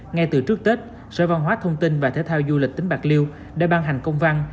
ngay từ trước tết sở văn hóa thông tin và thể thao du lịch tỉnh bạc liêu đã ban hành công văn